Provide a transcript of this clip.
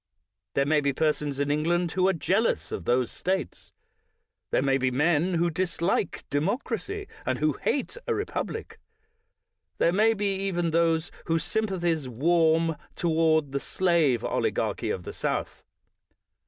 There may be persons in England who are jealous of those States. There may be men who dislike democracy, and who hate a republic; there may be even those whose sympathies warm toward the slave oligarchy of the South.